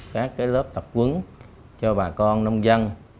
các lớp tập quấn cho bà con nông dân